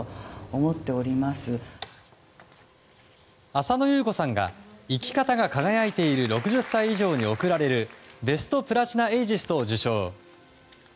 浅野ゆう子さんが生き方が輝いている６０歳以上に贈られるベストプラチナエイジストを受賞。